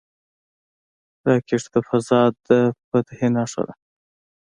راکټ د فضا د فتح نښه ده